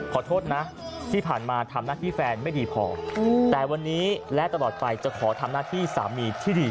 ขอโทษนะที่ผ่านมาทำหน้าที่แฟนไม่ดีพอแต่วันนี้และตลอดไปจะขอทำหน้าที่สามีที่ดี